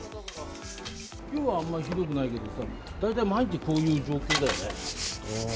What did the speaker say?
きょうはあんまりひどくないけどさ、大体毎日、こういう状況だよね。